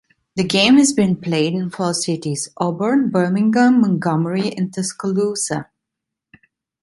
The game has been played in four cities: Auburn, Birmingham, Montgomery, and Tuscaloosa.